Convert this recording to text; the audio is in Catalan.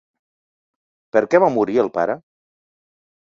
Per què va morir el pare?